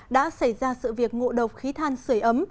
đã xảy ra sự việc ngộ độc khí than sửa ấm